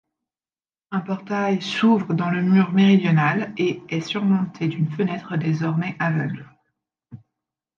Un portail s'ouvre dans le mur méridional, et est surmonté d'une fenêtre désormais aveugle.